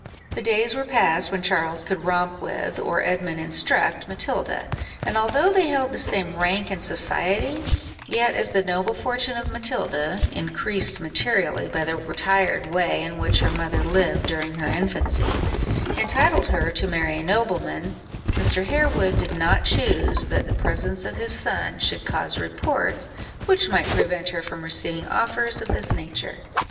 The days were past when Charles could romp with, or Edmund instruct, Matilda; and although they held the same rank in society, yet as the noble fortune of Matilda (increased materially by the retired way in which her mother lived during her infancy) entitled her to marry a nobleman, Mr. Harewood did not choose that the presence of his sons should cause reports which might prevent her from receiving offers of this nature.